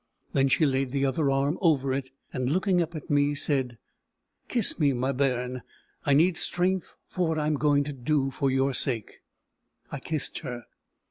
Then she laid the other arm over it, and, looking up at me, said: "Kiss me, my bairn; I need strength for what I am going to do for your sake." I kissed her.